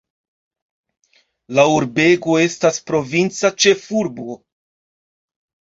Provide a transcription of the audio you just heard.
La urbego estas provinca ĉefurbo.